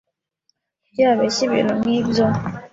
Kuki yabeshya kubintu nkibyo?